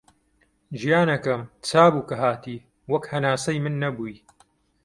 گیانەکەم! چابوو کە هاتی، وەک هەناسەی من نەبووی